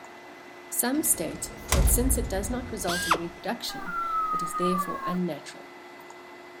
Some state that since it does not result in reproduction, it is therefore unnatural.